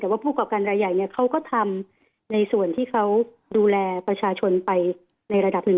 แต่ว่าผู้กรอบการรายใหญ่เขาก็ทำในส่วนที่เขาดูแลประชาชนไปในระดับหนึ่ง